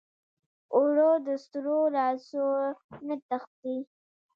اوړه د سړو لاسو نه تښتي